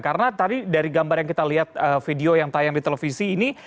karena tadi dari gambar yang kita lihat video yang tayang di televisi ini